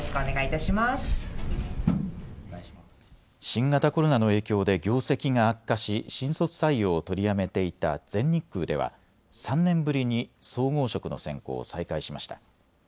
新型コロナの影響で業績が悪化し新卒採用を取りやめていた全日空では３年ぶりに総合職の選考を再開しました。